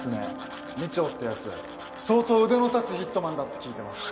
二丁って奴相当腕の立つヒットマンだって聞いてます。